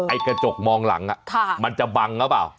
ไอ้กระจกมองหลังอะมันจะบังเข้าเปล่า